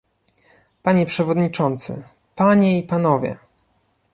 Panie przewodniczący, panie i panowie!